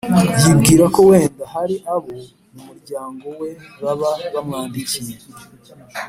yibwira ko wenda hari abo mu muryango we baba bamwandikiye